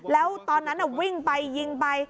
แล้วตอนนั้นวิ่งไปยิงไป